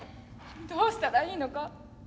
どうしたらいいのか。